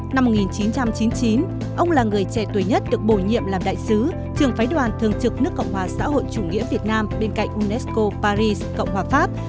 năm một nghìn chín trăm chín mươi chín ông là người trẻ tuổi nhất được bổ nhiệm làm đại sứ trường phái đoàn thường trực nước cộng hòa xã hội chủ nghĩa việt nam bên cạnh unesco paris cộng hòa pháp